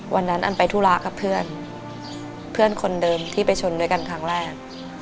อันไปธุระกับเพื่อนเพื่อนคนเดิมที่ไปชนด้วยกันครั้งแรก